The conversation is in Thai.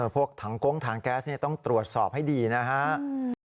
พวกถังโก๊งถังแก๊สต้องตรวจสอบให้ดีนะครับ